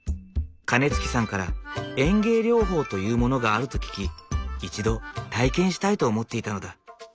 金築さんから園芸療法というものがあると聞き一度体験したいと思っていたのだ。